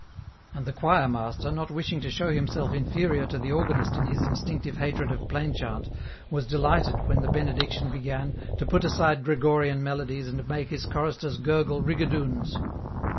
And the choirmaster, not wishing to show himself inferior to the organist in his instinctive hatred of plain chant, was delighted, when the Benediction began, to put aside Gregorian melodies and make his choristers gurgle rigadoons.